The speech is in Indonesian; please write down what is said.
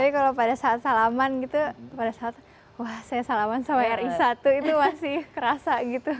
tapi kalau pada saat salaman gitu pada saat wah saya salaman sama ri satu itu masih kerasa gitu